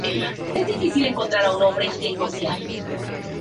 Es por tanto la división más poblada y la más pequeña de la provincia.